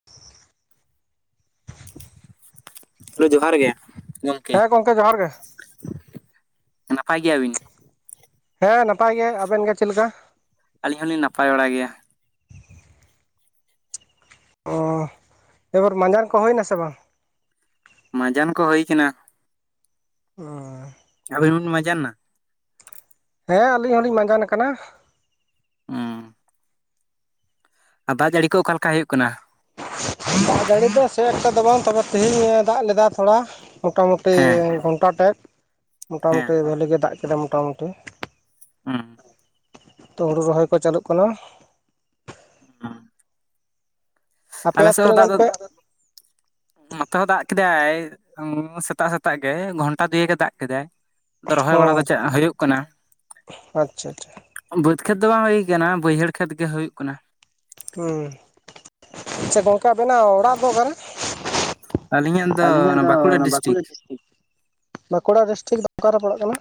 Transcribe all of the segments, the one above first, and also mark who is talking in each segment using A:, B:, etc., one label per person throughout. A: [inaudible]
B: Hello ᱡᱚᱦᱟᱨ ᱜᱮ
A: ᱦᱮᱸ ᱜᱚᱢᱠᱮ ᱡᱚᱦᱟᱨ ᱜᱮ
B: ᱱᱟᱯᱟᱭ ᱜᱮᱭᱟ ᱵᱤᱱ
A: ᱦᱮᱸ ᱱᱟᱯᱟᱭ ᱜᱮ ᱟᱵᱮᱱ ᱜᱮ ᱪᱮᱫ ᱞᱮᱠᱟ
B: ᱟᱹᱞᱤᱧ ᱦᱚᱞᱤᱧ ᱱᱟᱯᱟᱭ ᱵᱟᱲᱟ ᱜᱮᱭᱟ
A: ᱚᱻ ᱮᱵᱟᱨ ᱢᱟᱸᱡᱟᱱ ᱠᱚ ᱦᱩᱭ ᱮᱱᱟ ᱥᱮ ᱵᱟᱝ
B: ᱢᱟᱡᱟᱱ ᱠᱚ ᱦᱩᱭ ᱠᱟᱱᱟ
A: ᱦᱚᱭ
B: ᱟᱵᱤᱱ ᱵᱮᱱ ᱢᱟᱡᱟᱱ ᱱᱟ
A: ᱦᱮᱸ ᱟᱹᱞᱤᱧ ᱦᱚᱞᱤᱧ ᱢᱟᱸᱡᱟᱱ ᱠᱟᱱᱟ ᱾
B: ᱦ ᱸᱚ ᱟᱨ ᱫᱟᱜ ᱡᱟᱹᱲᱤ ᱠᱚ ᱚᱠᱟ ᱞᱮᱠᱟ ᱦᱩᱭᱩᱜ ᱠᱟᱱᱟ ᱾
A: ᱫᱟᱜ ᱡᱟᱹᱲᱤ ᱫᱚ ᱥᱮ ᱮᱠᱴᱟ ᱫᱚ ᱵᱟᱝ ᱛᱚᱵᱮ ᱛᱮᱦᱤᱧ ᱮ ᱫᱟᱜ ᱞᱮᱫᱟ ᱛᱷᱚᱲᱟ ᱢᱚᱴᱟ-ᱢᱩᱴᱤ ᱴᱤ
B: ᱦᱮᱸ
A: ᱜᱷᱚᱱᱴᱟ ᱴᱷᱮᱡ ᱢᱚᱴᱟ-
B: ᱦᱮᱸ
A: ᱢᱩᱩᱴᱤ ᱵᱷᱟᱹᱞᱤ ᱜᱮ ᱫᱟᱜ ᱠᱮᱫᱟ ᱢᱚᱴ -ᱢᱩᱩᱴᱤ
B: ᱦᱸ
A: ᱚ ᱦᱳᱲᱩ ᱨᱚᱦᱚᱭ ᱠᱚ ᱪᱟᱹᱞᱩᱜ ᱠᱟᱱᱟ ᱾
B: ᱦᱩᱸ
A: ᱟᱯᱮ
B: ᱟᱞᱮ ᱥᱮᱫ ᱦᱚᱸ
A: ᱛᱤᱱᱟᱹᱜ
B: ᱫᱟᱜ
A: ᱜᱟᱱ
B: ᱫᱚ
A: ᱯᱮ [inaudible]
B: ᱱᱚᱛᱮ ᱦᱚᱸ ᱫᱟᱜ ᱠᱮᱫᱟᱭ ᱥᱮᱛᱟᱜ ᱥᱮᱛᱟᱜ ᱜᱮ ᱜᱷᱚᱱᱴᱟ ᱫᱩᱭᱮᱠ ᱮ ᱫᱟᱜ ᱠᱮᱫᱟᱭ ᱨᱚᱦᱚᱭ
A: ᱚ
B: ᱵᱟᱲᱟ ᱫᱚ ᱪᱮᱫ ᱦᱳᱭᱳᱜ ᱠᱟᱱᱟ
A: ᱟᱪᱪᱷᱟ ᱟᱪᱪᱷᱟ
B: ᱵᱟᱹᱫᱽ ᱠᱷᱮᱛ ᱫᱚ ᱵᱟᱝ ᱦᱩᱭ ᱠᱟᱱᱟ ᱵᱟᱹᱭᱦᱟᱹᱲ ᱠᱷᱮᱛ ᱜᱮ ᱦᱳᱭᱩᱜ ᱠᱟᱱᱟ
A: ᱟᱪᱪᱷᱟ ᱜᱚᱝᱠᱮ ᱟᱵᱮᱱᱟᱜ ᱚᱲᱟᱜ ᱫᱚ ᱚᱠᱟᱨᱮ?
B: ᱟᱹᱞᱤᱧᱟᱜ ᱫᱚ ᱵᱟᱸᱠᱩᱲᱟ ᱰᱤᱥᱴᱤᱠ
A: ᱵᱟᱸᱠᱩᱲᱟ ᱰᱤᱥᱴᱤᱠ ᱫᱚ ᱚᱠᱟᱨᱮ ᱯᱟᱲᱟᱜ ᱠᱟᱱᱟ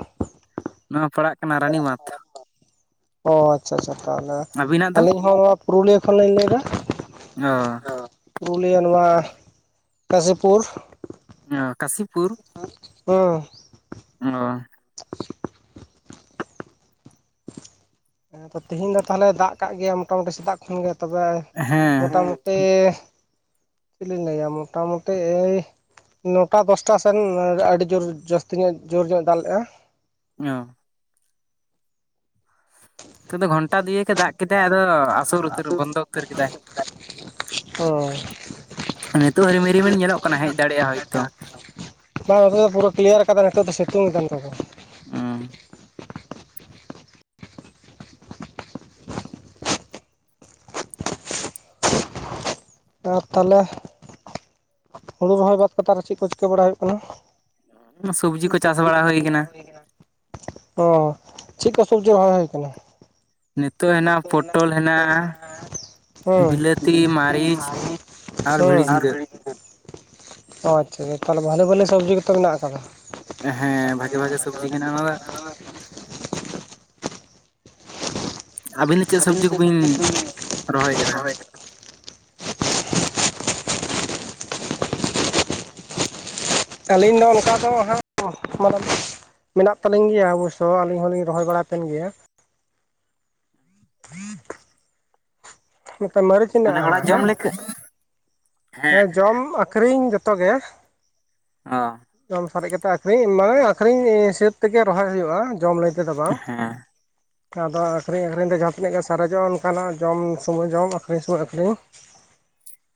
B: ᱱᱚᱣᱟ ᱯᱟᱲᱟᱜ ᱠᱟᱱᱟ ᱨᱟᱱᱤᱢᱟᱸᱫᱷ
A: ᱚ ᱟᱪᱪᱷᱟ ᱟᱪᱪᱷᱟ ᱛᱟᱦᱞᱮ
B: ᱟᱹᱵᱤᱱᱟᱜ ᱫᱚ
A: ᱟᱹᱞᱤᱧ ᱦᱚᱸ ᱱᱚᱣᱟ ᱯᱩᱨᱩᱞᱤᱭᱟᱹ ᱠᱷᱚᱱᱞᱤᱧ ᱞᱟᱹᱭ ᱮᱫᱟ
B: ᱚ
A: ᱯᱩᱨᱩᱞᱤᱭᱟᱹ ᱱᱚᱣᱟ ᱠᱟᱥᱤᱯᱩᱨ
B: ᱠᱟᱥᱤᱯᱩᱨ
A: [unintelligible]
B: ᱚᱻ
A: ᱦᱮᱸ ᱛᱚ ᱛᱤᱦᱮᱧ ᱫᱚ ᱛᱟᱦᱞᱮ ᱫᱟᱜ ᱠᱟᱜ ᱜᱮᱭᱟ ᱢᱚᱴᱟᱢᱩᱴᱤ ᱥᱮᱛᱟᱜ ᱠᱷᱚᱱ ᱜᱮ ᱛᱚᱵᱮ
B: ᱦᱮᱸ
A: ᱢᱚᱴᱟ ᱢᱩᱴᱤ ᱪᱮᱫ ᱞᱤᱧ ᱞᱟᱹᱭᱟ ᱢᱚᱴᱟᱢᱩᱴᱤ ᱮᱭ ᱱᱚᱴᱟ ᱫᱚᱥᱴᱟ ᱥᱮᱱ ᱟᱹᱰᱤ ᱡᱳᱨ ᱡᱟᱹᱥᱛᱤ ᱧᱚᱜ ᱡᱳᱨ ᱧᱚᱜ ᱫᱟᱜ ᱞᱮᱫᱼᱟ
B: [unintelligible] ᱱᱚᱛᱮ ᱫᱚ ᱜᱷᱚᱱᱴᱟ ᱫᱩᱭᱮᱠ ᱮ ᱫᱟᱜ ᱠᱮᱫᱟᱭ ᱟᱫᱚ ᱟᱥᱩᱨ ᱩᱛᱟᱹᱨ ᱵᱚᱱᱫᱚ ᱩᱛᱟᱹᱨ ᱠᱮᱫᱟᱭ
A: ᱚ [unintelligible]
B: ᱱᱤᱛᱳᱜ ᱦᱚᱸ ᱨᱤᱢᱤᱞ ᱨᱤᱢᱤᱞ ᱧᱮᱞᱚᱜ ᱠᱟᱱᱟ ᱦᱮᱡ ᱫᱟᱲᱮᱭᱟᱜᱼᱟ ᱦᱳᱭᱛᱚ
A: ᱵᱟᱝ ᱱᱚᱛᱮ ᱫᱚ ᱯᱩᱨᱟᱹ ᱠᱞᱤᱭᱟᱨ ᱠᱟᱫᱟ ᱱᱤᱛᱚᱜ ᱫᱚ ᱥᱤᱛᱩᱝᱫᱟ ᱱᱚᱛᱮ ᱫᱚ
B: [unintelligible]
A: ᱟᱨ ᱛᱟᱦᱞᱮ ᱦᱩᱲᱩ ᱨᱚᱦᱚᱭ ᱵᱟᱫ ᱠᱟᱛᱮ ᱟᱨ ᱪᱮᱫ ᱠᱚ ᱪᱤᱠᱟᱹ ᱵᱟᱲᱟ ᱦᱳᱭᱳᱜ ᱠᱟᱱᱟ?
B: ᱥᱩᱵᱡᱤ ᱠᱚ ᱪᱟᱥ ᱵᱟᱲᱟ ᱦᱳᱭ ᱠᱟᱱᱟ
A: ᱚ ᱪᱮᱫ ᱠᱚ ᱥᱚᱵᱡᱤ ᱨᱚᱦᱚᱭ ᱦᱳᱭ ᱠᱟᱱᱟ
B: ᱱᱤᱛᱚᱜ
A: [inaudible] ᱦᱸ [inaudible]
B: ᱦᱮᱱᱟᱜᱼᱟ ᱯᱚᱴᱚᱞ
A: [inaudible]
B: ᱦᱮᱱᱟᱜᱼᱟ ᱵᱤᱞᱟᱹᱛᱤ ᱢᱟᱹᱨᱤᱪ ᱟᱨ ᱵᱷᱤᱲᱤ ᱡᱷᱤᱸᱜᱟᱹ
A: ᱟᱪᱪᱷᱟ ᱛᱟᱦᱞᱮ ᱵᱷᱟᱞᱤ ᱵᱷᱟᱞᱤ ᱥᱚᱵᱡᱤ ᱠᱚᱛᱚ ᱢᱮᱱᱟᱜ ᱠᱟᱫᱟ
B: ᱦᱮᱸ ᱵᱷᱟᱜᱮ ᱵᱷᱟᱜᱮ ᱥᱚᱵᱽᱡᱤ ᱜᱮ ᱢᱮᱱᱟᱜᱼᱟ ᱚᱱᱟ ᱫᱚ
A: [inaudible]
B: ᱟᱹᱵᱤᱱ ᱫᱚ ᱪᱮᱫ ᱥᱚᱵᱽᱡᱤ ᱠᱚᱵᱤᱱ ᱨᱚᱦᱚᱭ ᱠᱟᱫᱟ
A: [inaudible] ᱟᱹᱞᱤᱧ ᱫᱚ ᱚᱱᱠᱟ ᱫᱚ ᱦᱟᱸᱜ ᱢᱟᱱᱮ ᱢᱮᱱᱟᱜ ᱛᱟᱹᱞᱤᱧ ᱜᱮᱭᱟ ᱚᱵᱳᱥᱥᱚ ᱟᱞᱤᱧ ᱦᱚᱞᱤᱧ ᱨᱚᱦᱚᱭ ᱵᱟᱲᱟ ᱠᱮᱱ ᱜᱮᱭᱟ ᱱᱚᱛᱮ ᱢᱟᱹᱨᱤᱪ
B: ᱢᱟᱱᱮ
A: ᱢᱮᱱᱟᱜᱼᱟ
B: ᱚᱲᱟᱜ
A: ᱦᱟᱸᱜ
B: ᱡᱚᱢ
A: ᱦᱮᱸ
B: ᱞᱮᱠᱟ
A: ᱦᱮᱸ ᱡᱚᱢ ᱟᱹᱷᱨᱤᱧ ᱡᱚᱛᱚ ᱜᱮ
B: ᱚ
A: ᱡᱚᱢ ᱥᱟᱨᱮᱡ ᱠᱟᱛᱮ ᱟᱹᱠᱷᱨᱤᱧ ᱢᱟᱱᱮ ᱟᱠᱷᱨᱤᱧ ᱥᱟᱹᱛ ᱛᱮᱜᱮ ᱨᱚᱦᱚᱭ ᱦᱳᱭᱳᱜᱼᱟ ᱡᱚᱢ ᱛᱮᱫᱚ ᱵᱟᱝ
B: ᱦᱮᱸ
A: ᱟᱫᱚ ᱟᱠᱷᱨᱤᱧ ᱟᱠᱷᱨᱤᱧ ᱫᱚ ᱡᱟᱦᱟᱸ ᱛᱤᱱᱟᱹᱜ ᱜᱮ ᱥᱟᱨᱮᱡᱚᱜᱼᱟ ᱚᱱᱠᱟᱱᱟᱜ ᱡᱚᱢ ᱥᱩᱢᱚᱭ ᱡᱚᱢ ᱟᱠᱷᱨᱤᱧ ᱥᱚᱢᱚᱭ ᱟᱠᱷᱨᱤᱧ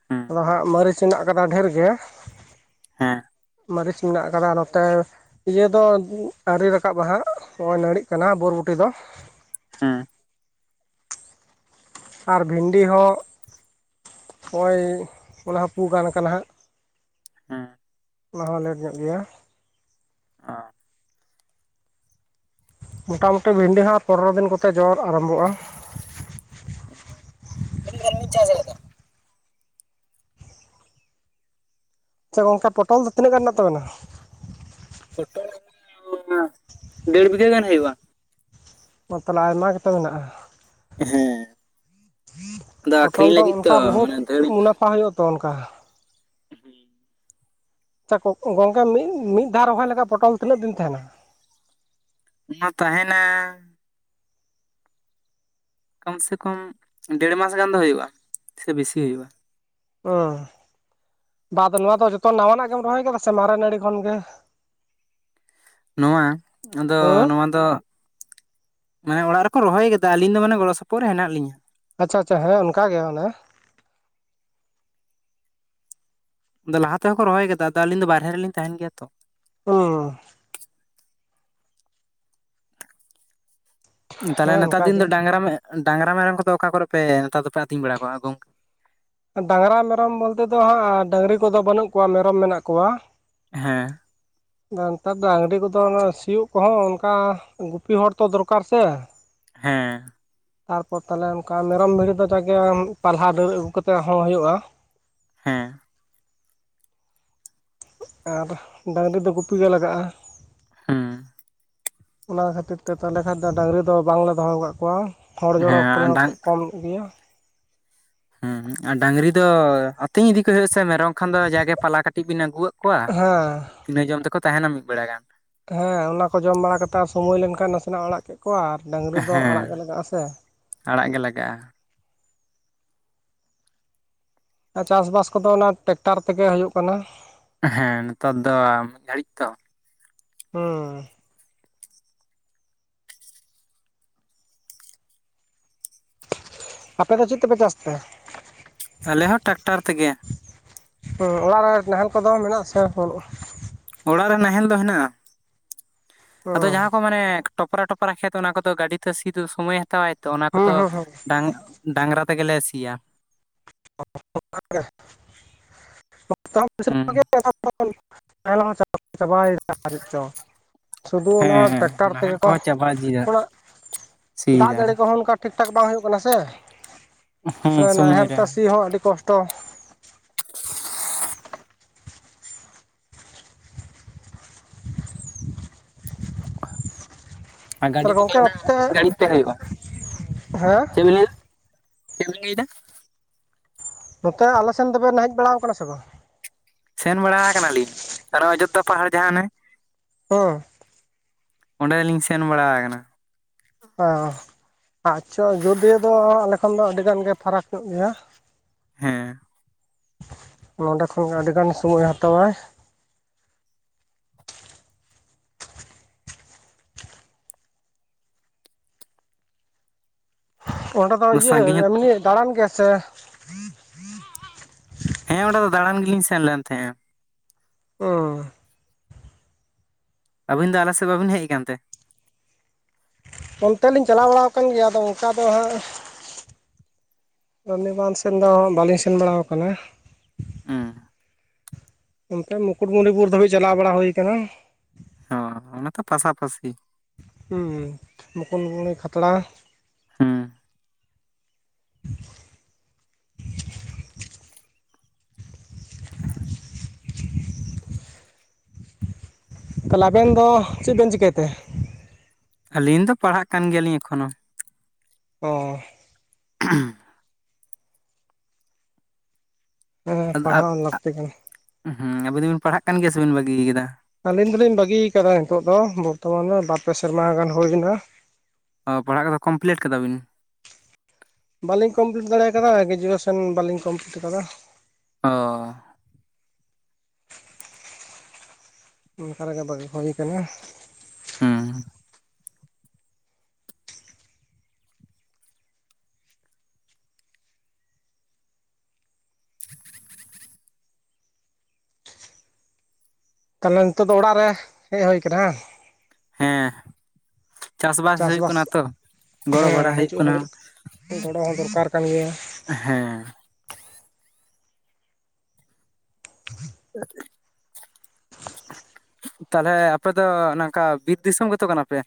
B: ᱦᱩᱸ
A: ᱟᱫᱚ ᱦᱟᱸᱜ ᱢᱟᱹᱨᱤᱪ ᱦᱮᱱᱟᱜ ᱠᱟᱫᱟ ᱰᱷᱮᱨ ᱜᱮ
B: ᱦᱮᱸ
A: ᱢᱟᱹᱨᱤᱪ ᱢᱮᱱᱟᱜ ᱟᱠᱟᱫᱟ ᱱᱚᱛᱮ ᱤᱭᱟᱹ ᱫᱚ ᱟᱣᱨᱤ ᱨᱟᱠᱟᱵ ᱦᱟᱸᱜ ᱱᱚᱜᱼᱚᱭ ᱱᱟᱹᱲᱤᱜ ᱠᱟᱱᱟ ᱵᱚᱨᱵᱚᱴᱤ ᱫᱚ
B: ᱦᱮᱸ ᱾
A: ᱟᱨ ᱵᱷᱤᱱᱰᱤ ᱦᱚᱸ ᱼᱼ ᱦᱚᱸᱜᱼᱚᱭ ᱚᱱᱟ ᱦᱚᱸ ᱯᱩ ᱜᱟᱱ ᱠᱟᱱᱟ ᱦᱟᱸᱜ ᱾
B: ᱦᱮᱸ ᱾
A: ᱚᱱᱟ ᱦᱚᱸ ᱞᱮᱴ ᱧᱚᱜ ᱜᱮᱭᱟ ᱾
B: ᱚ ᱾
A: ᱢᱚᱴᱟᱢᱩᱴᱤ ᱵᱷᱤᱱᱰᱤ ᱦᱚᱸ ᱯᱚᱱᱨᱚ ᱫᱤᱱ ᱠᱚᱛᱮ ᱡᱚ ᱟᱨᱟᱢᱵᱚᱜ-ᱟ ᱾
B: ᱛᱤᱱᱟᱹᱜ ᱜᱟᱱ ᱵᱤᱱ ᱪᱟᱥ ᱠᱟᱫᱟ?
A: ᱟᱪᱪᱷᱟ ᱜᱚᱝᱠᱮ ᱯᱚᱴᱚᱞ ᱫᱚ ᱛᱤᱱᱟᱹᱜ ᱜᱟᱱ ᱢᱮᱱᱟᱜ ᱛᱟᱵᱤᱱᱟ?
B: ᱯᱚᱴᱚᱞ ᱢᱟ ᱚᱱᱟ ᱰᱮᱹᱲ ᱵᱤᱜᱷᱟᱹ ᱜᱟᱱ ᱦᱩᱭᱩᱜ-ᱟ ᱾
A: ᱚ ᱛᱟᱞᱦᱮ ᱟᱭᱢᱟ ᱜᱮ ᱛᱚ ᱢᱮᱱᱟᱜ-ᱟ ᱾
B: ᱦᱮᱸ ᱟᱫᱚ
A: ᱯᱚᱴᱚᱞ
B: ᱟᱠᱷᱨᱤᱧ
A: ᱫᱚ
B: ᱞᱟᱹᱜᱤᱫ ᱛᱚ
A: ᱚᱱᱠᱟ ᱵᱚᱦᱩᱛ
B: ᱢᱟᱱᱮ ᱫᱷᱟᱹᱲ
A: ᱢᱩᱱᱟᱯᱷᱟ ᱦᱩᱭᱩᱜ-ᱟᱛᱚ ᱚᱱᱠᱟ ᱾ ᱟᱪᱪᱷᱟ ᱜᱚᱝᱠᱮ ᱢᱤᱫ ᱢᱤᱫ ᱫᱷᱟᱣ ᱨᱚᱦᱚᱭ ᱞᱮᱠᱷᱟᱡ ᱯᱚᱴᱚᱞ ᱛᱤᱱᱟᱹᱜ ᱫᱤᱱ ᱛᱟᱦᱮᱱᱟ?
B: ᱚᱱᱟ ᱛᱟᱦᱮᱱᱟᱻ ᱠᱚᱢ ᱥᱮ ᱠᱚᱢ ᱰᱮᱹᱲ ᱢᱟᱥ ᱜᱟᱱ ᱫᱚ ᱦᱳᱭᱳᱜᱼᱟ ᱥᱮ ᱵᱤᱥᱤ ᱦᱳᱭᱳᱜᱼᱟ ᱾
A: ᱚᱻ ᱵᱟ ᱟᱫᱚ ᱱᱚᱣᱟ ᱫᱚ ᱡᱚᱛᱚ ᱱᱟᱣᱟ ᱱᱟᱜ ᱜᱮᱢ ᱨᱚᱦᱚᱭ ᱠᱟᱫᱟ ᱥᱮ ᱢᱟᱨᱮ ᱱᱟᱹᱲᱤ ᱠᱷᱚᱱ ᱜᱮ?
B: ᱱᱚᱣᱟ ᱟᱫᱚ
A: ᱦᱩᱸ
B: ᱱᱚᱣᱟ ᱫᱚ ᱼᱼ ᱢᱟᱱᱮ ᱚᱲᱟᱜ ᱨᱮᱠᱚ ᱨᱚᱦᱚᱭ ᱠᱟᱫᱟ ᱟᱞᱤᱧ ᱫᱚ ᱢᱟᱱᱮ ᱜᱚᱲᱚ ᱥᱚᱯᱚᱦᱚᱫ ᱨᱮ ᱦᱮᱱᱟᱜ ᱞᱤᱧᱟ ᱾
A: ᱟᱪᱪᱷᱟ ᱟᱪᱪᱷᱟ ᱦᱚᱭ ᱚᱱᱠᱟ ᱜᱮ ᱢᱟᱱᱮ ᱾
B: ᱟᱫᱚ ᱞᱟᱦᱟ ᱛᱮᱦᱚᱸ ᱠᱚ ᱨᱚᱦᱚᱭ ᱠᱟᱫᱟ, ᱟᱞᱤᱧ ᱫᱚ ᱵᱟᱨᱦᱮ ᱨᱮᱞᱤᱧ ᱛᱟᱦᱮᱱ ᱜᱮᱭᱟ ᱛᱚ ᱾
A: ᱚ ᱾
B: ᱛᱟᱦᱚᱞᱮ
A: ᱦᱮᱸ
B: ᱱᱮᱛᱟᱨ
A: ᱚᱱᱠᱟ
B: ᱫᱤᱱ ᱫᱚ
A: ᱜᱮ
B: ᱰᱟᱝᱨᱟ ᱰᱟᱝᱨᱟ ᱢᱮᱨᱚᱢ ᱠᱚᱫᱚ ᱚᱠᱟ ᱠᱚᱨᱮ ᱯᱮ ᱱᱮᱛᱟᱨ ᱫᱚᱯᱮ ᱟᱹᱛᱤᱧ ᱵᱟᱲᱟ ᱠᱚᱣᱟ ᱜᱚᱝᱠᱮ?
A: ᱰᱟᱝᱨᱟ ᱢᱮᱨᱚᱢ ᱵᱚᱞᱛᱮ ᱫᱚ ᱦᱟᱸᱜ ᱰᱟᱹᱝᱨᱤ ᱠᱚᱫᱚ ᱵᱟᱹᱱᱩᱜ ᱠᱚᱣᱟ, ᱢᱮᱨᱚᱢ ᱢᱮᱱᱟᱜ ᱠᱚᱣᱟ ᱾
B: ᱦᱮᱸ ᱾
A: ᱱᱮᱛᱟᱨ ᱫᱚ ᱰᱟᱹᱝᱨᱤ ᱠᱚᱫᱚ ᱥᱤᱭᱳᱜ ᱠᱚᱦᱚᱸ ᱚᱱᱠᱟ ᱜᱩᱯᱤ ᱦᱚᱲ ᱛᱚ ᱫᱚᱨᱠᱟᱨ ᱥᱮ ᱾
B: ᱦᱮᱸ ᱾
A: ᱛᱟᱨᱯᱚᱨ ᱛᱟᱦᱚᱞᱮ ᱚᱱᱠᱟ ᱢᱮᱨᱚᱢ ᱵᱷᱤᱰᱤ ᱫᱚ ᱡᱟ ᱜᱮ ᱯᱟᱞᱦᱟ ᱰᱟᱹᱨ ᱟᱹᱜᱩ ᱠᱟᱛᱮᱫ ᱦᱚᱸ ᱦᱩᱭᱩᱜ-ᱟ ᱾
B: ᱦᱮᱸ ᱾
A: ᱟᱨ ᱰᱟᱹᱝᱨᱤ ᱫᱚ ᱜᱩᱯᱤ ᱜᱮ ᱞᱟᱜᱟᱜ-ᱟ ᱾
B: ᱦᱩᱸ ᱾
A: ᱚᱱᱟ ᱠᱷᱟᱹᱛᱤᱨ ᱛᱮ ᱛᱟᱦᱞᱮ ᱠᱷᱟᱱ ᱫᱚ ᱰᱟᱹᱝᱨᱤ ᱫᱚ ᱵᱟᱝᱞᱮ ᱫᱚᱦᱚ ᱠᱟᱜ ᱠᱚᱣᱟ ᱦᱚᱲ ᱡᱚᱲᱚ
B: ᱦᱮᱸ ᱟᱨ
A: ᱠᱚᱨᱮ ᱦᱚᱸ
B: ᱰᱟᱝ
A: ᱠᱚᱢ ᱼᱼ ᱜᱤᱭᱟ ᱾
B: ᱦᱩᱸ ᱟᱨ ᱰᱟᱹᱝᱨᱤ ᱫᱚ ᱟᱛᱤᱧ ᱤᱫᱤ ᱠᱚ ᱦᱩᱭᱩᱜ-ᱟ ᱥᱮ ᱢᱮᱨᱚᱢ ᱼᱼ ᱠᱷᱟᱱ ᱫᱚ ᱡᱟᱜᱮ ᱯᱟᱞᱦᱟ ᱠᱟᱹᱴᱤᱡ ᱵᱤᱱ ᱟᱹᱜᱩ ᱟᱜ ᱠᱚᱣᱟ
A: ᱦᱮᱸ
B: ᱤᱱᱟᱹ ᱡᱚᱢ ᱛᱮᱠᱚ ᱛᱟᱦᱮᱱᱟ ᱢᱤᱫ ᱵᱮᱲᱟ ᱜᱟᱱ ᱾
A: ᱦᱮᱸ ᱚᱱᱟ ᱠᱚ ᱡᱚᱢ ᱵᱟᱲᱟ ᱠᱟᱛᱮ ᱟᱨ ᱥᱚᱢᱚᱭ ᱞᱮᱱᱠᱷᱟᱱ ᱱᱟᱥᱮ ᱱᱟᱜ ᱟᱲᱟᱜ ᱠᱮᱫ ᱠᱚᱣᱟ ᱟᱨ ᱰᱟᱹᱝᱨᱤ ᱫᱚ
B: ᱦᱮᱸ
A: ᱟᱲᱟᱜ ᱜᱮ ᱞᱟᱜᱟᱜ-ᱟ ᱥᱮ ᱾
B: ᱟᱲᱟᱜ ᱜᱮ ᱞᱟᱜᱟᱜ-ᱟ ᱾
A: ᱪᱟᱥᱵᱟᱥ ᱠᱚᱫᱚ ᱚᱱᱟ ᱴᱮᱠᱴᱟᱨ ᱛᱮᱜᱮ ᱦᱳᱭᱳᱜ ᱠᱟᱱᱟ ᱾
B: ᱦᱮᱸ ᱱᱮᱛᱟᱨ ᱫᱚ ᱢᱤᱫ ᱜᱷᱟᱹᱲᱤᱡ ᱛᱚ ᱾
A: ᱦᱩᱸᱻ ᱟᱯᱮ ᱫᱚ ᱪᱮᱫ ᱛᱮᱯᱮ ᱪᱟᱥ ᱛᱮ?
B: ᱟᱞᱮ ᱦᱚᱸ ᱴᱟᱠᱴᱟᱨ ᱛᱮᱜᱮ ᱾
A: ᱦᱩᱸ ᱚᱲᱟᱜ ᱨᱮ ᱱᱟᱦᱮᱞ ᱠᱚᱫᱚ ᱢᱮᱱᱟᱜᱥᱮ ᱵᱟᱹᱱᱩᱜ-ᱟ?
B: ᱚᱲᱟᱜ ᱨᱮ ᱱᱟᱦᱮᱞ ᱫᱚ ᱦᱮᱱᱟᱜ-ᱟ ᱾ ᱟᱫᱚ
A: ᱦᱩᱸ
B: ᱡᱟᱦᱟᱸ ᱠᱚ ᱢᱟᱱᱮ ᱴᱚᱯᱨᱟ ᱴᱚᱯᱨᱟ ᱠᱷᱮᱛ ᱚᱱᱟ ᱠᱚᱫᱚ ᱜᱟᱹᱰᱤ ᱛᱮ ᱥᱤ ᱫᱚ ᱥᱚᱢᱚᱭᱮᱼᱼ ᱦᱟᱛᱟᱣᱟᱭ ᱛᱚ ᱚᱱᱟ
A: ᱦᱩᱸ
B: ᱠᱚᱫᱚ
A: ᱦᱩᱸ ᱦᱩᱸ
B: ᱰᱟᱝ ᱰᱟᱝᱨᱟ ᱛᱮᱜᱮ ᱞᱮ ᱥᱤᱭᱟ ᱾
A: [inaudible]
B: ᱦᱮᱸ
A: [unintelligible] ᱪᱟᱵᱟᱭ ᱮᱱ [unintelligible] ᱪᱚ ᱥᱩᱫᱩ ᱚᱱᱟ
B: ᱦᱮᱸ
A: ᱴᱮᱠᱴᱟᱨ
B: ᱱᱟᱦᱮᱞ
A: ᱛᱮᱜᱮ ᱠᱚ
B: ᱠᱚᱦᱚᱸ ᱪᱟᱵᱟ ᱤᱫᱤᱭᱮᱫᱟ
A: [unintelligible] ᱼᱼ ᱫᱟᱜ ᱡᱟᱹᱲᱤ
B: ᱥᱤᱭᱮᱫᱟ
A: ᱠᱚᱦᱚᱸ ᱚᱱᱠᱟ ᱴᱷᱤᱠ ᱴᱷᱟᱠ ᱵᱟᱝ ᱦᱩᱭᱩᱜ ᱠᱟᱱᱟ ᱥᱮ ᱾
B: ᱦᱩᱸ ᱥᱚᱢᱚᱭ ᱨᱮ
A: ᱦᱚᱸ ᱟᱹᱰᱤ ᱠᱚᱥᱴᱚ
B: ᱟᱨ
A: ᱛᱟᱦᱚᱞᱮ
B: ᱜᱟᱹᱰᱤ ᱛᱮᱠ
A: ᱜᱚᱝᱠᱮ ᱱᱚᱛᱮ
B: [unintelligible] ᱜᱟᱹᱲᱤ ᱛᱟᱹᱦᱮ ᱦᱩᱭᱩᱜ-ᱟ
A: ᱦᱮᱸ
B: ᱪᱮᱫ ᱵᱮᱱ ᱞᱟᱹᱭᱟ ᱪᱮᱫ ᱵᱤᱱ ᱞᱟᱹᱭ ᱫᱟ
A: ᱱᱚᱛᱮ ᱟᱞᱮᱥᱮᱱ ᱫᱚᱵᱮᱱ ᱦᱮᱡ ᱵᱟᱲᱟ ᱟᱠᱟᱱᱟ ᱥᱮ ᱵᱟᱝ
B: ᱥᱮᱱ ᱵᱟᱲᱟ ᱠᱟᱱᱟᱞᱤᱧ ᱟᱨ ᱚᱡᱳᱫᱽᱫᱷᱟ ᱯᱟᱦᱟᱲ ᱡᱟᱦᱟᱸ ᱚᱱᱮ
A: ᱚᱯ [unintelligible]
B: ᱚᱸᱰᱮᱞᱤᱧ ᱥᱮᱱ ᱵᱟᱲᱟ ᱟᱠᱟᱱᱟ᱾
A: ᱚ ᱟᱪᱪᱷᱚ ᱟᱡᱳᱚᱫᱤᱭᱟᱹ ᱫᱚ ᱟᱞᱮ ᱠᱷᱚᱱ ᱫᱚ ᱟᱹᱰᱤ ᱜᱟᱱ ᱜᱮ ᱯᱷᱟᱨᱟᱠ ᱧᱚᱜ ᱜᱮᱭᱟ᱾
B: ᱦᱮᱸ
A: ᱱᱚᱰᱮ ᱠᱷᱚᱱ ᱜᱮ ᱟᱹᱰᱤᱜᱟᱱ ᱥᱚᱢᱚᱭᱮ ᱦᱟᱛᱟᱣᱟᱭ᱾ ᱚᱸᱰᱮ ᱫᱚ ᱤᱭᱟᱹ
B: ᱥᱟᱺᱜᱤᱧ ᱦᱚᱸ
A: ᱮᱢᱱᱤ ᱫᱟᱬᱟᱱ ᱜᱮᱭᱟ ᱥᱮ
B: ᱦᱮᱸ ᱚᱸᱰᱮ ᱫᱚ ᱫᱟᱬᱟᱱ ᱜᱮᱞᱤᱧ ᱥᱮᱱ ᱞᱮᱱ ᱛᱟᱦᱮᱸᱼᱟ᱾
A: ᱚᱸ
B: ᱟᱹᱵᱤᱱ ᱫᱚ ᱟᱞᱮ ᱥᱮᱫ ᱵᱟᱵᱤᱱ ᱦᱮᱡ ᱠᱟᱱᱛᱮ
A: ᱚᱱᱛᱮ ᱞᱤᱧ ᱪᱟᱞᱟᱣ ᱵᱟᱲᱟ ᱠᱟᱱ ᱜᱮᱭᱟ ᱟᱫᱚ ᱚᱱᱠᱟ ᱫᱚ ᱦᱟᱸᱜ ᱥᱚᱱᱤ ᱵᱟᱸᱫᱷ ᱥᱮᱱ ᱫᱚ ᱵᱟᱝᱞᱤᱧ ᱥᱮᱱ ᱵᱟᱲᱟᱣ ᱟᱠᱟᱱᱟ
B: ᱚᱸ
A: ᱚᱱᱛᱮ ᱢᱩᱠᱩᱴᱢᱚᱱᱤᱯᱩᱨ ᱫᱷᱟᱹᱵᱤᱡ ᱪᱟᱞᱟᱣ ᱵᱟᱲᱟ ᱦᱩᱭᱠᱟᱱᱟ᱾
B: ᱦᱚᱸ ᱚᱱᱮ ᱛᱚ ᱯᱟᱥᱟᱯᱟᱥᱤ᱾
A: ᱦᱮᱸ ᱢᱩᱠᱩᱴᱢᱩᱱᱢᱤ, ᱠᱷᱟᱛᱲᱟ᱾
B: ᱦᱩᱸ
A: ᱛᱟᱦᱚᱞᱮ ᱟᱵᱮᱱ ᱫᱚ ᱪᱮᱫ ᱵᱮᱱ ᱪᱤᱠᱟᱹᱭᱛᱮ
B: ᱟᱹᱞᱤᱧ ᱫᱚ ᱯᱟᱲᱦᱟᱜ ᱠᱟᱱ ᱜᱮᱭᱟᱞᱤᱧ ᱮᱠᱷᱚᱱᱳ᱾
A: ᱚᱻ
B: ᱦᱚ ᱩᱸ [unintelligible]
A: ᱦᱮᱸ ᱯᱟᱲᱦᱟᱣ ᱞᱟᱹᱠᱛᱤ ᱠᱟᱱᱟ᱾
B: ᱦᱚᱸ ᱟᱵᱤᱱ ᱫᱚᱵᱤᱱ ᱯᱟᱲᱦᱟᱜ ᱠᱟᱱ ᱜᱮᱭᱟ ᱥᱮᱵᱤᱱ ᱵᱟᱹᱜᱤ ᱟᱠᱟᱫᱟ
A: ᱟᱹᱞᱤᱧ ᱫᱚᱞᱤᱧ ᱵᱟᱹᱜᱤᱭ ᱟᱠᱟᱫᱟ ᱱᱤᱛᱚᱜ ᱫᱚ ᱵᱚᱨᱛᱷᱚᱢᱟᱱ ᱨᱮ ᱵᱟᱨᱯᱮ ᱥᱮᱨᱢᱟ ᱜᱟᱱ ᱦᱩᱭᱮᱱᱟ᱾
B: ᱚ ᱯᱟᱲᱦᱟᱜ ᱠᱚᱫᱚ ᱠᱚᱢᱯᱞᱤᱴ ᱠᱟᱫᱟ ᱵᱤᱱ
A: ᱵᱟᱞᱤᱧ ᱠᱚᱢᱯᱞᱤᱴ ᱫᱟᱲᱮ ᱟᱠᱟᱫᱟ ᱜᱨᱮᱡᱩᱭᱮᱥᱚᱱ ᱵᱟᱞᱤᱧ ᱠᱚᱢᱯᱞᱤᱴ ᱟᱠᱟᱫᱟ᱾
B: ᱚ
A: ᱚᱱᱠᱟ ᱨᱮᱜᱮ ᱵᱟᱜᱤ ᱦᱩᱭ ᱟᱠᱟᱱᱟ᱾
B: ᱦᱚᱸ
A: ᱛᱟᱦᱚᱞᱮ ᱱᱤᱛᱚᱜ ᱫᱚ ᱚᱲᱟᱜ ᱨᱮ ᱦᱮᱡ ᱦᱩᱭ ᱟᱠᱟᱱᱟ
B: ᱦᱮᱸ ᱪᱟᱥ ᱵᱟᱥ ᱦᱩᱭᱩᱜ
A: ᱪᱟᱥᱵᱟᱥ
B: ᱠᱟᱱᱟ ᱛᱚ ᱜᱚᱲᱚ
A: ᱦᱮᱸ
B: ᱵᱟᱲᱟ ᱦᱩᱭᱩᱜ
A: ᱦᱤᱡᱩᱜ
B: ᱠᱟᱱᱟ᱾
A: ᱦᱚᱸ ᱜᱚᱲᱚ ᱦᱚᱸ ᱫᱚᱨᱠᱟᱨ ᱠᱟᱱ ᱜᱮᱭᱟ᱾
B: ᱦᱮᱸ
A: [unintelligible]
B: [inaudible] ᱛᱟᱦᱚᱞᱮ ᱟᱯᱮ ᱫᱚ ᱱᱚᱝᱠᱟ ᱵᱤᱨ ᱫᱤᱥᱚᱢ ᱜᱮᱛᱚ ᱠᱟᱱᱟᱯᱮ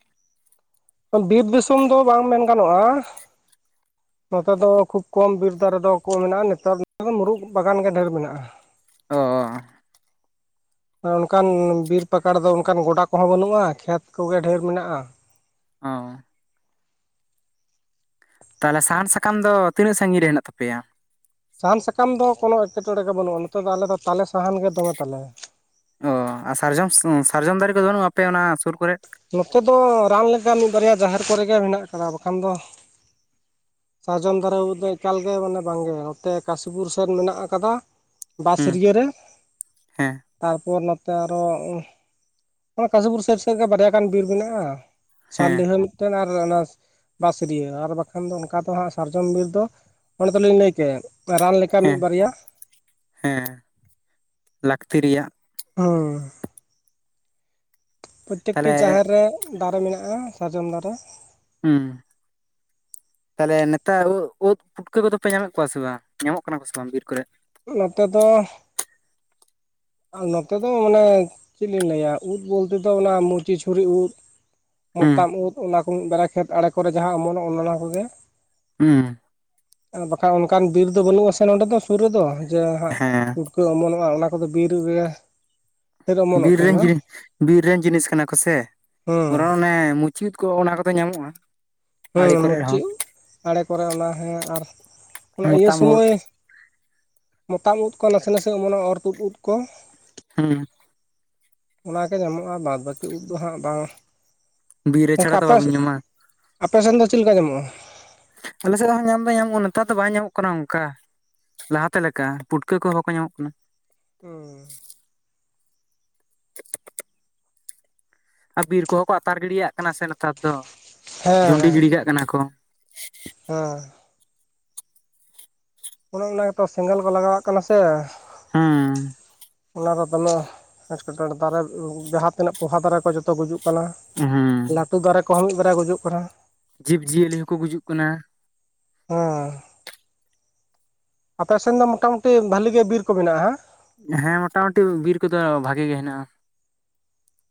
A: ᱵᱤᱨ ᱫᱤᱥᱚᱢ ᱫᱚ ᱵᱟᱝ ᱢᱮᱱ ᱜᱟᱱᱚᱜᱼᱟ᱾ ᱱᱚᱛᱮ ᱫᱚ ᱠᱷᱩᱵ ᱠᱚᱢ ᱵᱤᱨ ᱫᱟᱨᱮᱫᱚ ᱠᱚ ᱢᱮᱱᱟᱜᱼᱟ ᱱᱮᱛᱟᱨ ᱫᱚ ᱢᱩᱨᱩᱫᱽ ᱵᱟᱜᱟᱱ ᱜᱮ ᱰᱷᱮᱨ ᱢᱮᱱᱟᱜᱼᱟ᱾
B: ᱚᱻ
A: ᱚᱱᱠᱟᱱ ᱵᱤᱨ ᱯᱟᱠᱟᱲ ᱫᱚ ᱚᱱᱠᱟᱱ ᱜᱚᱰᱟ ᱠᱚᱦᱚᱸ ᱵᱟᱹᱱᱩᱜᱼᱟ ᱠᱷᱮᱛ ᱠᱚᱜᱮ ᱰᱷᱮᱨ ᱢᱮᱱᱟᱜᱼᱟ᱾
B: ᱚᱸ ᱦᱚ ᱛᱟᱦᱚᱞᱮ ᱥᱟᱦᱟᱱ ᱥᱟᱠᱟᱢ ᱫᱚ ᱛᱤᱱᱟᱹᱜ ᱥᱟᱺᱜᱤᱧ ᱨᱮ ᱦᱮᱱᱟᱜ ᱛᱟᱯᱮᱭᱟ
A: ᱥᱟᱦᱟᱱ ᱥᱟᱠᱟᱢ ᱫᱚ ᱠᱳᱱᱚ ᱮᱴᱠᱮᱴᱚᱬᱮ ᱜᱮ ᱵᱟᱹᱱᱩᱜᱼᱟ ᱱᱚᱛᱮ ᱫᱚ ᱟᱞᱮ ᱫᱚ ᱛᱟᱞᱮ ᱥᱟᱦᱟᱱ ᱜᱮ ᱫᱚᱢᱮ ᱛᱟᱞᱮ᱾
B: ᱚ ᱟᱨ ᱥᱟᱨᱡᱚᱢ ᱥᱟᱨᱡᱚᱢ ᱫᱟᱨᱮ ᱠᱚᱫᱚ ᱵᱟᱹᱱᱩᱜᱼᱟ ᱟᱯᱮ ᱚᱱᱟ ᱥᱩᱨ ᱠᱚᱨᱮ
A: ᱱᱚᱛᱮ ᱫᱚ ᱨᱟᱱ ᱞᱮᱠᱟ ᱢᱤᱫ ᱵᱟᱨᱭᱟ ᱡᱟᱦᱮᱨ ᱠᱚᱨᱮ ᱜᱮ ᱢᱮᱱᱟᱜ ᱟᱠᱟᱫᱟ ᱵᱟᱠᱷᱟᱱ ᱫᱚ ᱥᱟᱨᱡᱚᱢ ᱫᱟᱨᱮ ᱵᱩᱫᱟᱹ ᱮᱠᱟᱞ ᱜᱮ ᱢᱟᱱᱮ ᱵᱟᱝᱜᱮ ᱱᱚᱛᱮ ᱠᱟᱥᱤᱯᱩᱨ ᱥᱮᱱ ᱢᱮᱱᱟᱜ ᱟᱠᱟᱫᱟ᱾ ᱵᱟᱥ
B: ᱦᱩᱸ
A: ᱨᱤᱭᱚ ᱨᱮ᱾
B: ᱦᱮᱸ
A: ᱛᱟᱨᱯᱚᱨ ᱱᱚᱛᱮ ᱟᱨᱚ ᱚᱱᱟ ᱠᱟᱥᱤᱯᱩᱨ ᱥᱮᱭ ᱥᱮᱫ ᱜᱮ ᱵᱟᱨᱭᱟ ᱜᱟᱱ ᱵᱤᱨ ᱢᱮᱱᱟᱜ-ᱟ᱾
B: ᱦᱮᱸ
A: ᱥᱟᱞᱰᱤᱦᱟᱹ ᱢᱤᱫᱴᱮᱱ ᱟᱨ ᱚᱱᱟ ᱵᱟ ᱥᱤᱨᱭᱟᱹ ᱟᱨ ᱵᱟᱠᱷᱟᱱ ᱫᱚ ᱚᱱᱠᱟ ᱫᱚ ᱦᱟᱸᱜ ᱥᱟᱨᱡᱚᱢ ᱵᱤᱨ ᱫᱚ ᱚᱱᱟᱮ ᱫᱚᱞᱤᱧ ᱞᱟᱹᱭ ᱠᱮᱫ ᱨᱟᱱ ᱞᱮᱠᱟ ᱥᱮ
B: ᱦᱮᱸ
A: ᱢᱤᱫ ᱵᱟᱨᱭᱟ
B: ᱦᱮᱸ ᱞᱟᱹᱠᱛᱤ ᱨᱮᱭᱟᱜ
A: ᱦᱳ ᱯᱨᱚᱛᱛᱮᱠᱴᱤ
B: ᱛᱟᱦᱚᱞᱮ
A: ᱡᱟᱦᱮᱨ ᱨᱮ ᱫᱟᱨᱮ ᱢᱮᱱᱟᱜ-ᱟ ᱥᱟᱨᱡᱚᱢ ᱫᱟᱨᱮ
B: ᱦᱩᱸ ᱛᱟᱦᱚᱞᱮ ᱱᱮᱛᱟᱨ ᱩᱫ ᱯᱩᱴᱠᱟᱹ ᱠᱚᱫᱚᱯᱮ ᱧᱟᱢᱮᱫ ᱠᱚᱣᱟ ᱥᱮ ᱵᱟᱝ ᱧᱟᱢᱚᱜ ᱠᱟᱱᱟ ᱠᱚ ᱥᱮ ᱵᱟᱝ ᱵᱤᱨ ᱠᱚᱨᱮ
A: ᱱᱚᱛᱮ ᱫᱚ ᱟ ᱱᱚᱛᱮ ᱫᱚ ᱢᱟᱱᱮ ᱪᱮᱫ ᱞᱤᱧ ᱞᱟᱹᱭᱟ ᱩᱫ ᱵᱚᱞᱛᱮ ᱫᱚ ᱚᱱᱟ ᱢᱩᱪᱤ ᱪᱷᱩᱨᱤ ᱩᱫ
B: ᱦᱩᱸ
A: ᱢᱚᱛᱟᱢ ᱩᱫ ᱚᱱᱟ ᱠᱩ ᱢᱤᱫᱵᱟᱨᱭᱟ ᱠᱷᱮᱛ ᱟᱲᱮ ᱠᱚᱨᱮ ᱡᱟᱦᱟᱸ ᱚᱢᱚᱱᱚᱜ ᱚᱱᱚᱱᱟ ᱠᱚᱜᱮ
B: ᱦᱩᱸ
A: ᱟᱨ ᱵᱟᱠᱷᱟᱜ ᱚᱱᱠᱟᱱ ᱵᱤᱨ ᱫᱚ ᱵᱟᱹᱱᱩᱜ ᱟ ᱥᱮ ᱱᱚᱸᱰᱮ ᱫᱚ ᱥᱩᱨ ᱨᱮᱫᱚ ᱡᱮ
B: ᱦᱮᱸ
A: ᱦᱟᱸᱜ ᱠᱟᱹ ᱚᱢᱚᱱᱚᱜ-ᱟ ᱚᱱᱟ ᱠᱚᱫᱚ ᱵᱤᱨ ᱨᱮ
B: ᱵᱤᱨ ᱨᱮᱱ ᱡᱤᱱᱤᱥ ᱵᱤᱨ ᱨᱮᱱ ᱡᱤᱱᱤᱥ ᱠᱟᱱᱟ ᱠᱚᱥᱮ
A: ᱦᱩᱸ
B: ᱵᱚᱨᱚᱱ ᱚᱱᱮ ᱢᱩ ᱪᱮᱫ ᱠᱚ ᱚᱱᱟ ᱠᱚᱫᱚ ᱧᱟᱢᱚᱜ-ᱟ
A: ᱦᱩᱸ ᱢᱩᱪᱤ ᱟᱲᱮ ᱠᱚᱨᱮ ᱚᱱᱟ ᱦᱮᱸ ᱟᱨ ᱚᱱᱟ ᱤᱭᱟᱹ
B: ᱢᱚᱛᱟᱢ ᱩᱫ
A: ᱥᱚᱢᱚᱭ ᱢᱚᱛᱟᱢ ᱩᱫ ᱠᱚ ᱱᱟᱥᱮ ᱱᱟᱥᱮ ᱚᱢᱚᱱᱚ ᱚᱨ ᱛᱩᱫ ᱩᱫ ᱠᱚ
B: ᱦᱩᱸ
A: ᱚᱱᱟᱜᱮ ᱧᱟᱢᱚᱜ-ᱟ ᱵᱟᱫᱽ ᱵᱟᱹᱠᱤ ᱩᱵ ᱫᱚ ᱦᱟᱸᱜ ᱵᱟᱝ
B: ᱵᱤᱨ ᱨᱮ
A: ᱚᱝᱠᱟ
B: ᱪᱷᱟᱲᱟ ᱫᱚ
A: ᱟᱯᱮ
B: ᱵᱟᱵᱤᱱ ᱧᱟᱢᱟ
A: ᱟᱯᱮᱥᱮᱱ ᱫᱚ ᱪᱮᱫ ᱞᱮᱠᱟ ᱧᱟᱢᱚᱜ-ᱟ
B: ᱟᱞᱮ ᱥᱮᱫ ᱦᱚᱸ ᱧᱟᱢ ᱫᱚ ᱧᱟᱢᱚᱜ-ᱟ ᱱᱮᱛᱟᱨ ᱫᱚ ᱵᱟᱭ ᱧᱟᱢᱚᱜ ᱠᱟᱱᱟ ᱚᱱᱠᱟ ᱞᱟᱦᱟᱛᱮ ᱞᱮᱠᱟ ᱯᱩᱴᱠᱟᱹ ᱠᱚᱦᱚᱸ ᱵᱟᱠᱚ ᱧᱟᱢᱚᱜ ᱠᱟᱱᱟ
A: ᱩᱦᱻ
B: [unintelligible] ᱟᱨ ᱵᱤᱨ ᱠᱚᱦᱚᱸ ᱠᱚ ᱟᱛᱟᱨ ᱜᱤᱲᱤᱭᱟᱜ ᱠᱟᱱᱟ ᱥᱮ ᱱᱮᱛᱟᱨ ᱫᱚ ᱡᱩᱰᱤ
A: ᱦᱮᱸ
B: ᱜᱤᱰᱤ ᱠᱟᱜ ᱠᱟᱱᱟ ᱠᱚ
A: ᱦᱮᱸ ᱚᱱ ᱚᱱᱟ ᱜᱮᱛᱚ ᱥᱮᱸᱜᱮᱞ ᱠᱚ ᱞᱟᱜᱟᱣᱟᱜ ᱠᱟᱱᱟ ᱥᱮ
B: ᱦᱩᱸ
A: ᱚᱱᱟ ᱫᱚ ᱫᱚᱢᱮ ᱮᱸᱴᱠᱮᱴᱚᱬᱮ ᱫᱟᱨᱮ ᱡᱟᱦᱟᱸ ᱛᱤᱱᱟᱹᱜ ᱯᱚᱦᱟ ᱫᱟᱨᱮ ᱠᱚ ᱡᱚᱛᱚ ᱜᱩᱡᱩᱜ ᱠᱟᱱᱟ
B: ᱦᱮᱸ
A: ᱞᱟᱹᱴᱩ ᱫᱟᱨᱮ ᱠᱚᱦᱚᱸ ᱢᱤᱫᱵᱟᱨᱭᱟ ᱜᱩᱡᱩᱜ ᱠᱟᱱᱟ
B: ᱡᱤᱵᱽᱡᱤᱭᱟᱹᱞᱤ ᱦᱚᱸᱠᱚ ᱜᱩᱡᱩᱜ ᱠᱟᱱᱟ
A: ᱦᱮᱸ ᱟᱯᱮ ᱥᱮᱱ ᱫᱚ ᱢᱚᱴᱟ ᱢᱩᱩᱴᱤ ᱵᱷᱟᱞᱤ ᱜᱮ ᱵᱤᱨ ᱠᱚ ᱢᱮᱱᱟᱜ-ᱟ ᱦᱟᱝ
B: ᱦᱮᱸ ᱢᱚᱴᱟᱢᱩᱴᱤ ᱵᱤᱨ ᱠᱚᱫᱚ ᱵᱷᱟᱜᱤ ᱜᱮ ᱦᱮᱱᱟᱜ-ᱟ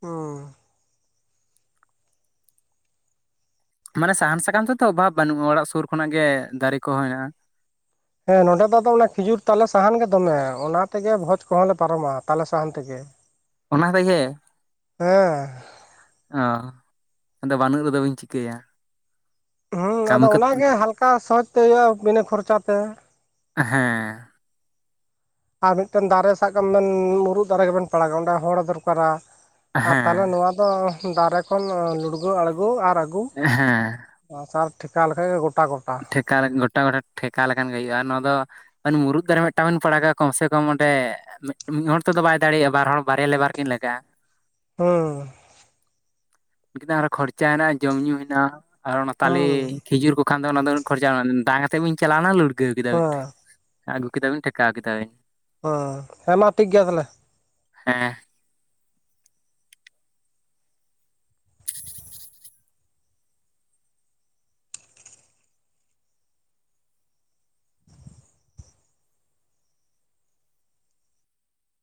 A: ᱦᱩᱸ
B: ᱢᱟᱱᱮ ᱥᱟᱦᱟᱱ ᱥᱟᱠᱟᱢ ᱛᱮᱫᱚ ᱚᱵᱷᱟᱵᱽ ᱵᱟᱹᱱᱩᱜ-ᱟ ᱚᱲᱟᱜ ᱥᱩᱨ ᱠᱷᱚᱱᱟᱜ ᱜᱮ ᱫᱟᱨᱮ ᱠᱚᱦᱚᱸ ᱦᱮᱱᱟᱜ-ᱟ
A: ᱦᱮᱸ ᱱᱚᱰᱮ ᱫᱚ ᱟᱫᱚ ᱠᱷᱤᱡᱩᱨ ᱛᱟᱞᱮ ᱥᱟᱦᱟᱱ ᱜᱮ ᱫᱚᱢᱮ ᱚᱱᱟ ᱛᱮᱜᱮ ᱵᱷᱚᱡᱽ ᱠᱚᱦᱚᱸᱞᱮ ᱯᱟᱨᱚᱢᱟ ᱛᱟᱞᱮ ᱥᱟᱦᱟᱱ ᱛᱮᱜᱮ [unintelligible]
B: ᱚᱱᱟ ᱛᱮᱜᱮ
A: ᱦᱮᱸ
B: ᱚ ᱟᱫᱚ ᱵᱟᱹᱱᱩᱜ ᱨᱮᱫᱚ ᱵᱤᱱ ᱪᱤᱠᱟᱹᱭᱟ
A: ᱦᱩᱸ
B: ᱠᱟᱹᱢᱤ
A: ᱟᱫᱚ
B: ᱠᱚ
A: ᱚᱱᱟᱜᱮ ᱦᱟᱞᱠᱟ ᱥᱚᱦᱚᱡ ᱛᱮ ᱦᱩᱭᱩᱜ-ᱟ ᱵᱤᱱᱟᱹ ᱠᱷᱚᱨᱪᱟ ᱛᱮ
B: ᱦᱮᱸ
A: ᱟᱨ ᱢᱤᱫᱴᱟᱱ ᱫᱟᱨᱮ ᱥᱟᱵ ᱠᱟᱜ ᱵᱮᱱ ᱢᱩᱨᱩᱫ ᱫᱟᱨᱮ ᱜᱮᱵᱮᱱ ᱯᱟᱲᱟᱜᱟ ᱚᱸᱰᱮ ᱦᱚᱲᱮ ᱫᱚᱨᱠᱟᱨᱟ ᱟᱨ ᱛᱟᱦᱞᱮ
B: ᱦᱮᱸ
A: ᱱᱚᱣᱟ ᱫᱚ ᱫᱟᱨᱮ ᱠᱷᱚᱱ ᱞᱩᱲᱜᱟᱹᱣ ᱟᱬᱜᱚ ᱟᱨ ᱟᱹᱜᱩ
B: ᱦᱮᱸ
A: ᱥᱟᱨ ᱴᱷᱟᱠᱟᱣ ᱞᱮᱠᱷᱟ ᱜᱮ ᱜᱚᱴᱟ ᱜᱚᱴᱟ
B: [unintelligible] ᱜᱚᱴᱟ ᱜᱚᱴᱟ ᱴᱷᱮᱠᱟ ᱞᱮᱠᱟᱱ ᱜᱮ ᱦᱩᱭᱩᱜᱼᱟ ᱱᱚᱣᱟ ᱫᱚ [unintelligible] ᱢᱩᱨᱩᱫ ᱫᱟᱨᱮ ᱢᱤᱫᱴᱟᱝ ᱵᱤᱱ ᱯᱟᱲᱟᱜᱟ ᱠᱚᱢ ᱥᱮ ᱠᱚᱢ ᱚᱸᱰᱮ ᱢᱤ [unintelligible] ᱢᱤᱫ ᱦᱚᱲ ᱛᱮᱫᱚ ᱵᱟᱭ ᱫᱟᱲᱮᱭᱟᱜᱼᱟ ᱵᱟᱨ ᱦᱚᱲ ᱵᱟᱨᱭᱟ ᱞᱮᱵᱟᱨ ᱠᱤᱱ ᱞᱟᱜᱟᱜᱼᱟ
A: [unintelligible]
B: [unintelligible] ᱠᱷᱚᱨᱪᱟ ᱦᱮᱱᱟᱜᱼᱟ ᱡᱚᱢ ᱧᱩ ᱦᱮᱱᱟᱜᱼᱟ ᱟᱨ ᱚᱱᱟ
A: ᱦᱩᱸ
B: ᱛᱟᱞᱮ ᱠᱷᱤᱡᱩᱨ ᱠᱩ [unintelligible] [unintelligible] ᱫᱚ ᱚᱱᱟ ᱫᱚ ᱩᱱᱟᱜ ᱠᱷᱚᱨᱪᱟ ᱰᱟᱝ ᱰᱟᱝᱟᱛᱮᱸ ᱵᱤᱱ ᱪᱟᱞᱟᱣᱱᱟ ᱞᱩᱲᱜᱟᱹᱣ ᱠᱮᱫᱟ ᱵᱮᱱ᱾
A: ᱦᱮᱸ
B: ᱟᱹᱜᱩ ᱠᱮᱫᱟᱵᱤᱱ ᱴᱷᱮᱠᱟᱣ ᱠᱮᱫᱟᱵᱤᱱ᱾
A: ᱚᱻ ᱦᱮᱸ ᱢᱟ ᱴᱷᱤᱠ ᱜᱮᱭᱟ ᱛᱟᱦᱚᱞᱮ᱾
B: ᱦᱮᱸ᱾